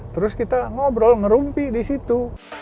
terus kita ngobrol ngerumpi di situ